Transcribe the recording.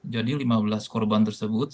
lima belas korban tersebut